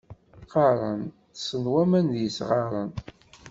Qqaren ṭsen waman d yisɣaṛen.